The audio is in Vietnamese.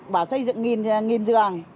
bà xây dựng một nghìn giường